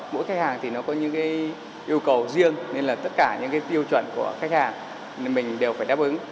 mỗi khách hàng thì nó có những yêu cầu riêng nên là tất cả những cái tiêu chuẩn của khách hàng mình đều phải đáp ứng